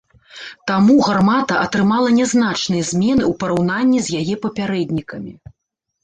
Таму гармата атрымала нязначныя змены ў параўнанні з яе папярэднікамі.